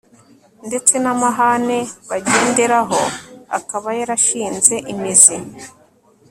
ndetse n'amahame [bagenderaho] akaba yarashinze imizi